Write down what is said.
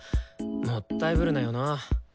もったいぶるなよな。